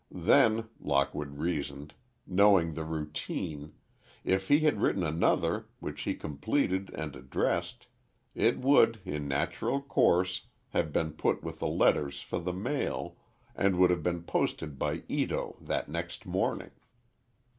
Then, Lockwood reasoned, knowing the routine, if he had written another, which he completed and addressed, it would, in natural course, have been put with the letters for the mail, and would have been posted by Ito that next morning.